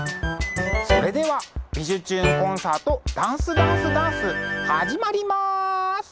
それでは「びじゅチューン！コンサートダンスダンスダンス」始まります！